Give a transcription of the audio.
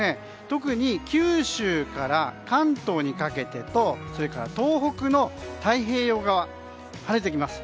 特に九州から関東にかけてとそれから東北の太平洋側は晴れてきます。